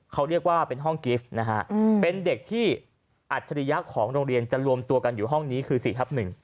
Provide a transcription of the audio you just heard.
เขาเรียกว่าเป็นห้องกิฟต์นะฮะเป็นเด็กที่อัจฉริยะของโรงเรียนจะรวมตัวกันอยู่ห้องนี้คือ๔ทับ๑